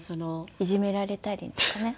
いじめられたりとかね。